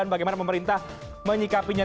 bagaimana pemerintah menyikapinya